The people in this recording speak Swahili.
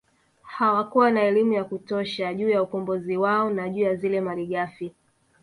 Hawakuwa na elimu ya kutosha juu ya ukombozi wao na juu ya zile malighafi